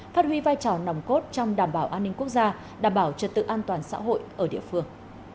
phát huy vai trò nòng cốt trong đảm bảo an ninh quốc gia đảm bảo trật tự an toàn xã hội ở địa phương